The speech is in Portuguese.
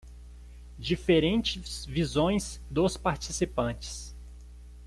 Diferentes visões dos participantes